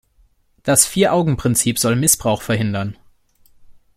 Das Vier-Augen-Prinzip soll Missbrauch verhindern.